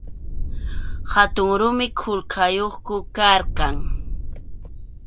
Hatun rumi qullqayuqku karqan.